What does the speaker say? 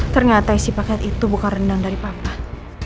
ternyata isi paket itu bukan rendang dari papan